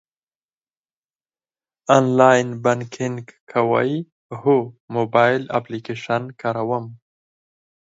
آنلاین بانکینګ کوئ؟ هو، موبایل اپلیکیشن کاروم